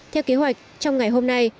theo kế hoạch trong ngày hôm nay